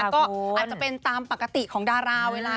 ก็อาจจะเป็นตามปกติของดาราเวลา